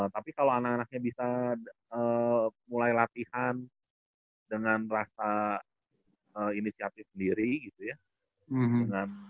tapi kalau anak anaknya bisa mulai latihan dengan rasa inisiatif sendiri gitu ya